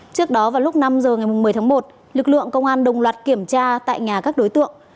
trước đó vào lúc năm h ngày một mươi tháng một lực lượng công an đồng loạt kiểm tra tại nhà các đối tượng